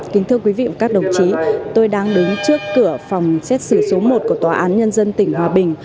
kính thưa quý vị và các đồng chí tôi đang đứng trước cửa phòng xét xử số một của tòa án nhân dân tỉnh hòa bình